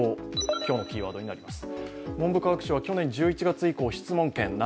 今日のキーワードになります。